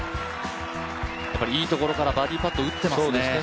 やっぱり、いいところからバーディーパット打ってますね。